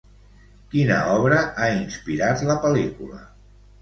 Quina obra ha inspirat la pel·lícula?